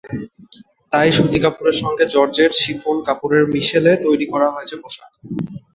তাই সুতি কাপড়ের সঙ্গে জর্জেট, শিফন কাপড়ের মিশেলে তৈরি করা হয়েছে পোশাক।